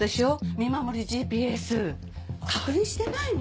見守りＧＰＳ確認してないの？